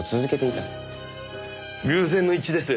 偶然の一致です。